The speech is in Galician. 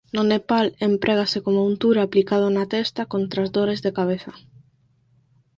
No Nepal emprégase coma untura aplicado na testa contra as dores da cabeza.